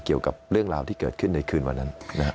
เกี่ยวกับเรื่องราวที่เกิดขึ้นในคืนวันนั้นนะครับ